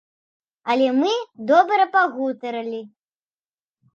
Але мы добра пагутарылі.